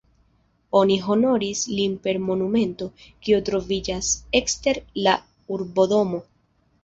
Oni honoris lin per monumento, kiu troviĝas ekster la urbodomo.